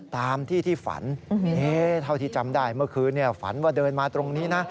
ตามที่ที่ฝันเท่าที่จำได้เมื่อคืนฝันว่าเดินมาตรงนี้นะ